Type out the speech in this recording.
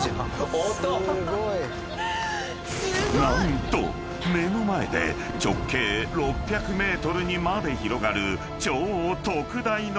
［何と目の前で直径６００ｍにまで広がる超特大の花火］